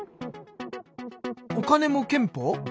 お金も憲法？